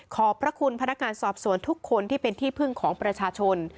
ขอบพระคุณพนักงานสอบสวนทุกคนที่เป็นที่พึ่งของประชาชน